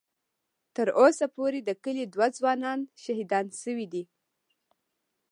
ـ تر اوسه پورې د کلي دوه ځوانان شهیدان شوي دي.